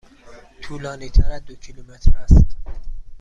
طولانی تر از دو کیلومتر است.